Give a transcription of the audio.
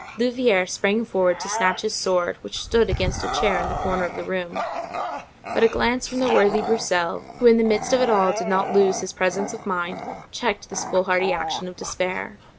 Louvieres sprang forward to snatch his sword, which stood against a chair in a corner of the room; but a glance from the worthy Broussel, who in the midst of it all did not lose his presence of mind, checked this foolhardy action of despair.